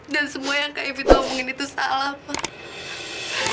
dan semua yang kak evie ngomongin itu salah pak